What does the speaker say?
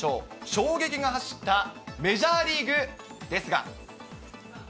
衝撃が走ったメジャーリーグですが。